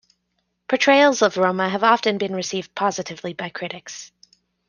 Portrayals of Roma have often been received positively by critics.